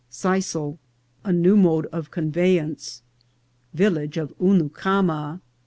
— Sisal. — A new Mode of Conveyance. — Village of Hunucama.